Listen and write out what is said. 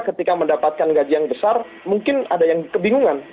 ketika mendapatkan gaji yang besar mungkin ada yang kebingungan